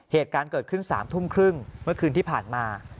เหตุการณ์เกิดขึ้น๓ทุ่มครึ่งเมื่อคืนที่ผ่านมา